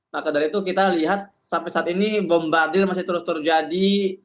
maka dari itu kita lihat sampai saat ini bombardir masih terus terus jadi